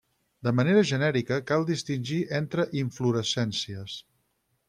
De manera genèrica, cal distingir entre inflorescències.